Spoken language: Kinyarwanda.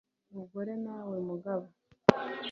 mugore nawe mugabo